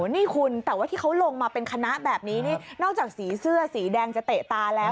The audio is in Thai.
นี่คุณแต่ว่าที่เขาลงมาเป็นคณะแบบนี้นี่นอกจากสีเสื้อสีแดงจะเตะตาแล้ว